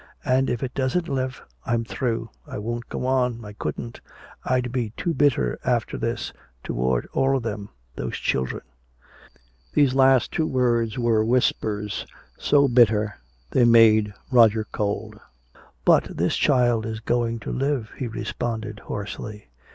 And if it doesn't live I'm through! I won't go on! I couldn't! I'd be too bitter after this toward all of them those children!" These last two words were whispers so bitter they made Roger cold. "But this child is going to live," he responded hoarsely.